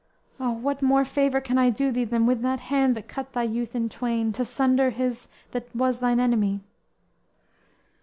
O, what more favor can I do thee, Than with that hand that cut thy youth in twain, To sunder his that was thine enemy!